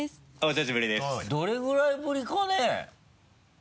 どれぐらいぶりかね？